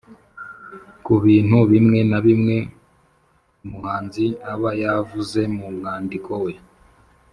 ku bintu bimwe na bimwe umuhanzi aba yavuze mu mwandiko we